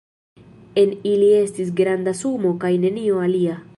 En ili estis granda sumo kaj nenio alia.